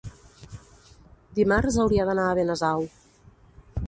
Dimarts hauria d'anar a Benasau.